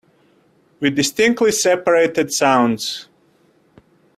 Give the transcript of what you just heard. With distinctly separated sounds.